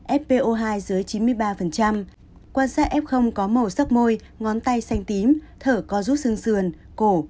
ép po hai dưới chín mươi ba quan sát ép không có màu sắc môi ngón tay xanh tím thở có rút sương sườn cổ